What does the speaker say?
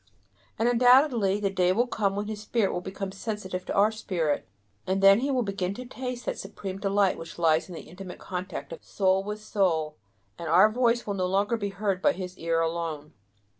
And undoubtedly the day will come when his spirit will become sensitive to our spirit; and then he will begin to taste that supreme delight which lies in the intimate contact of soul with soul, and our voice will no longer be heard by his ear alone.